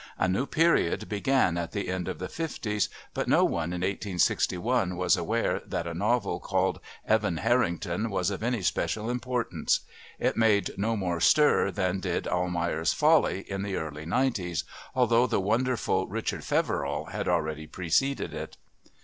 A new period began at the end of the fifties; but no one in 1861 was aware that a novel called Evan Harrington was of any special importance; it made no more stir than did Almayer's Folly in the early nineties, although the wonderful Richard Feverel had already preceded it.